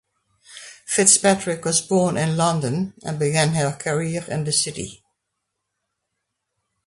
Fitzpatrick was born in London and began her career in the City.